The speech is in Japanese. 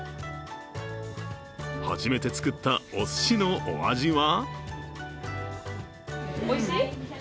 初めて作ったおすしのお味は？